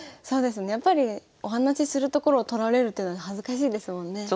そうですねやっぱりお話しするところを撮られるっていうのは恥ずかしいですもんね。